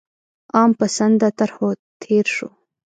عام پسنده طرحو تېر شو.